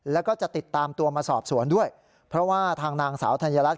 แล้วก็จะติดตามตัวมาสอบสวนด้วยเพราะว่าทางนางสาวธัญลักษ